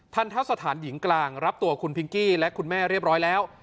ทะสถานหญิงกลางรับตัวคุณพิงกี้และคุณแม่เรียบร้อยแล้ว